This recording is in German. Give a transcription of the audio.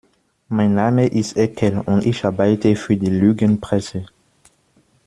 Mein Name ist Eckel und ich arbeite für die Lügenpresse.